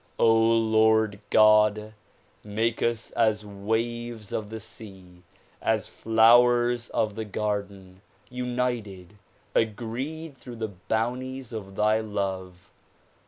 Lord God! make us as waves of the sea, as flowers of the garden, united, agreed through the bounties of thy love.